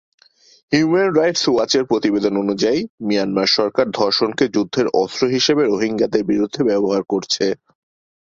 Human rights ওয়াচের প্রতিবেদন অনুযায়ী, মিয়ানমার সরকার ধর্ষণকে যুদ্ধের অস্ত্র হিসেবে রোহিঙ্গাদের বিরুদ্ধে ব্যবহার করছে।